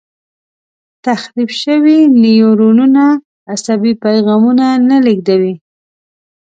تخریب شوي نیورونونه عصبي پیغامونه نه لېږدوي.